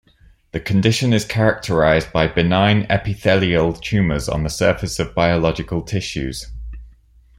The condition is characterized by benign epithelial tumours on the surface of biological tissues.